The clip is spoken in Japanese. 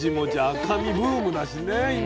赤身ブームだしね今。